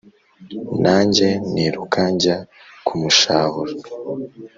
nanjye niruka njya kumushahura.